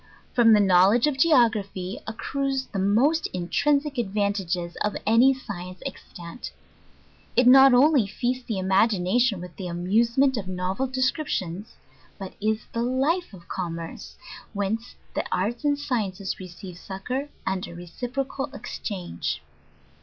From the !;nr.wledgG of Geography accrues the most in trinsic advantages of any Science extant. It not only feasts the imagination with the amusement of nov'el descriptions; but is the Jife of commerce, whcr.ce the arts and sciences re ceive succour, and a reciprocal exchange.